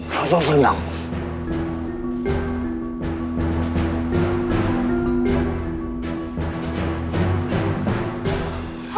jangan pergi lagi